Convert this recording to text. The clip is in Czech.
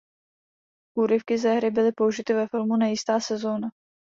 Úryvky ze hry byly použity ve filmu "Nejistá sezóna".